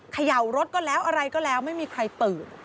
เขย่ารถก็แล้วอะไรก็แล้วไม่มีใครตื่น